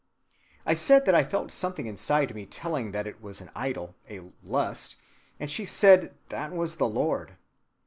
I said that I felt something inside telling me that it was an idol, a lust, and she said that was the Lord.